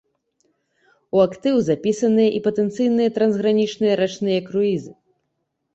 У актыў запісаныя і патэнцыйныя трансгранічныя рачныя круізы.